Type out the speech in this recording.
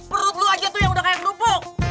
perut lu aja tuh yang udah kayak dupuk